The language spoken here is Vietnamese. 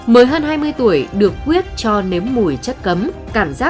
mới hơn hai mươi tuổi được quyết cho nếm mùi của anh trai lương thanh bình